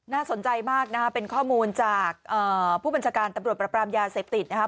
สนใจมากนะครับเป็นข้อมูลจากผู้บัญชาการตำรวจประปรามยาเสพติดนะครับ